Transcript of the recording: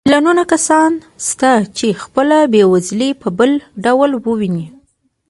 میلیونونه کسان شته چې خپله بېوزلي په بل ډول ویني